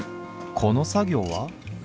この作業は？